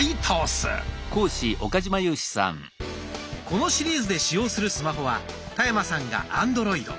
このシリーズで使用するスマホは田山さんがアンドロイド。